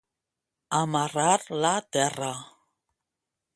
Amarar la terra.